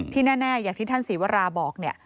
แน่อย่างที่ท่านศรีวราบอกเนี่ย